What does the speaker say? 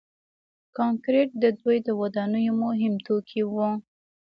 کانکریټ د دوی د ودانیو مهم توکي وو.